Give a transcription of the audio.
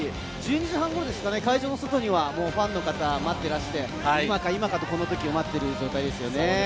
１２時半頃ですか、会場のそばにはファンの方が待っていて、今か今かとこの時を待っている状態ですね。